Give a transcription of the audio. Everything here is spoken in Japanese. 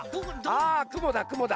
あくもだくもだ！